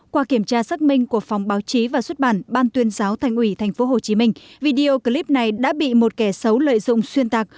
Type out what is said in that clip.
qua kiểm tra xác minh của phòng báo chí và xuất bản ban tuyên giáo thành ủy tp hcm video clip này đã bị một kẻ xấu lợi dụng xuyên tạc